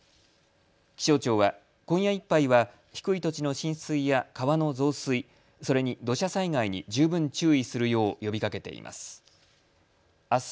気象庁は今夜いっぱいは低い土地の浸水や川の増水、それに土砂災害に十分注意するよう呼びかけています。